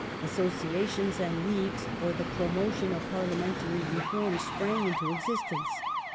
Associations and leagues for the promotion of parliamentary reform sprang into existence.